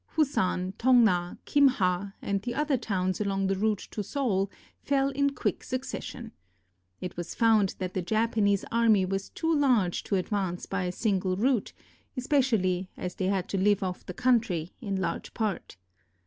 Fusan, Tong na, Kim ha, and the other towns along the route to Seoul fell in quick succession. It was 266 WHEN HIDEYOSHI INVADED KOREA found that the Japanese army was too large to advance by a single route, especially as they had to live off the country, in large part.